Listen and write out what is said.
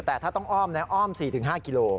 แต่ถ้าต้องอ้อมนะอ้อม๔๕กิโล